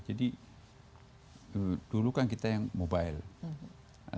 jadi dulu kan kita yang mobile